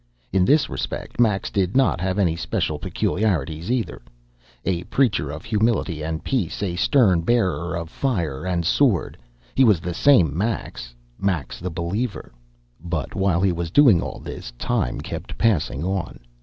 In this respect Max did not have any special peculiarities, either. A preacher of humility and peace, a stern bearer of fire and sword, he was the same Max Max the believer. But while he was doing all this, time kept passing on.